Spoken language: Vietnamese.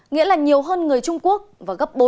nghĩa là nhiều hơn người trung quốc và gấp bốn lần so với